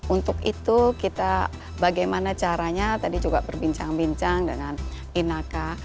untuk itu kita bagaimana caranya tadi juga berbincang bincang dengan inaka